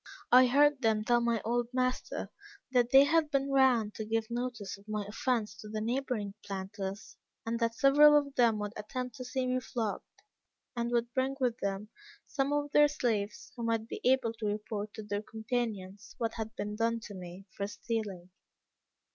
I heard them tell my old master that they had been round to give notice of my offence to the neighboring planters, and that several of them would attend to see me flogged, and would bring with them some of their slaves, who might be able to report to their companions what had been done to me for stealing.